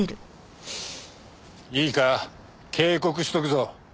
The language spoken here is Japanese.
いいか警告しとくぞ。